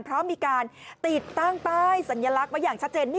เพราะมีการติดตั้งป้ายสัญลักษณ์ไว้อย่างชัดเจน